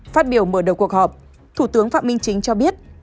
phát biểu mở đầu cuộc họp thủ tướng phạm minh chính cho biết